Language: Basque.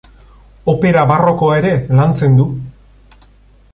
Opera barrokoa ere lantzen du.